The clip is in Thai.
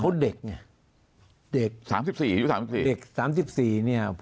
เขาเด็กไงเด็ก๓๔นี่